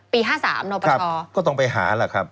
ปี๕๓นปครับก็ต้องไปหาล่ะครับ